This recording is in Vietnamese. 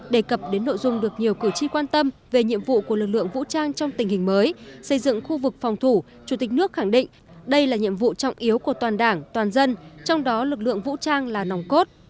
đề cập đến nội dung được nhiều cử tri quan tâm về nhiệm vụ của lực lượng vũ trang trong tình hình mới xây dựng khu vực phòng thủ chủ tịch nước khẳng định đây là nhiệm vụ trọng yếu của toàn đảng toàn dân trong đó lực lượng vũ trang là nòng cốt